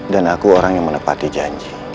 dan aku orang yang menepati janji